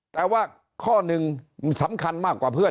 แต่ว่าข้อหนึ่งสำคัญมากกว่าเพื่อน